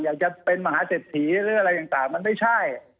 อยากจะเป็นมหาเศรษฐีหรืออะไรต่างมันไม่ใช่